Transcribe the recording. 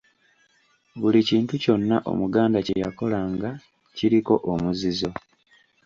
Buli kintu kyonna Omuganda kye yakolanga kiriko omuzizo